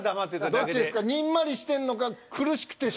どっちですか？